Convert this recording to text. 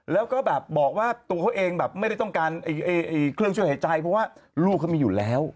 แล้วก็แบบบอกว่าตัวเขาเองแบบไม่ได้ต้องการเครื่องช่วยหายใจเพราะว่าลูกเขามีอยู่แล้ว